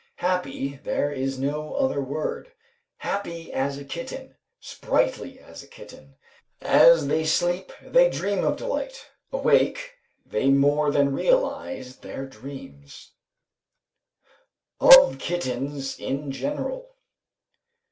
Happy, there is no other word. "Happy as a kitten." "Sprightly as a kitten." As they sleep they dream of delight, awake they more than realise their dreams. OF KITTENS IN GENERAL.